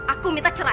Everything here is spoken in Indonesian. aku minta cerai